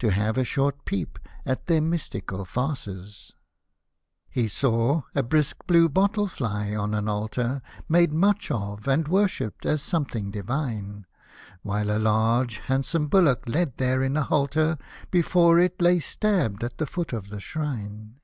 To have a short peep at their mystical farces. Hosted by Google FABLES FOR THE HOLY ALLL^NCE 193 He saw a brisk blue bottle Fly on an altar, Made much of, and worshipped, as something divine ; While a large, handsome Bullock, led there in a halter, Before it lay stabbed at the foot of the shrine.